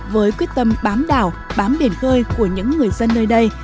với quyết tâm bám đảo bám biển khơi của những người dân nơi đây